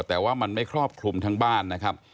แต่ว่ามันไม่ครอบคลุมทั้งบ้านนะครับ